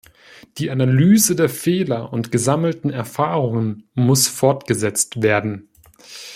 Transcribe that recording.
Die Analyse der Fehler und gesammelten Erfahrungen muss fortgesetzt werden.